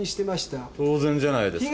当然じゃないですか。